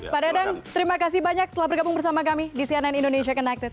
pak dadang terima kasih banyak telah bergabung bersama kami di cnn indonesia connected